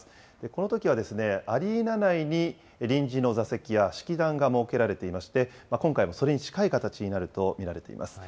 このときは、アリーナ内に臨時の座席や式壇が設けられていまして、今回もそれに近い形になると見られています。